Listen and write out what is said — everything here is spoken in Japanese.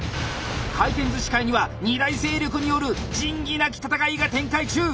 回転寿司界には２大勢力による仁義なき戦いが展開中！